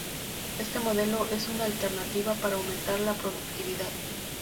Este modelo es una alternativa para aumentar la productividad.